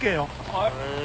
はい。